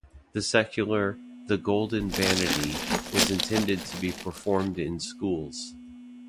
The secular "The Golden Vanity" was intended to be performed in schools.